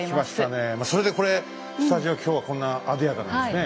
まあそれでこれスタジオ今日はこんなにあでやかなんですね。